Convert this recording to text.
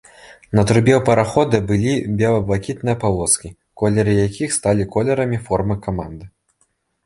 На трубе ў парахода былі бела-блакітныя палоскі, колеры якіх сталі колерамі формы каманды.